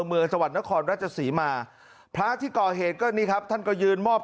จังหวัดนครราชศรีมาพระที่ก่อเหตุก็นี่ครับท่านก็ยืนมอบ